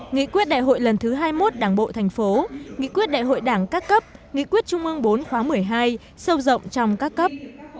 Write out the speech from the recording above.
nghị quyết đại hội lần thứ hai mươi một đảng bộ thành phố nghị quyết đại hội đảng các cấp nghị quyết trung ương bốn khóa một mươi hai sâu rộng trong các cấp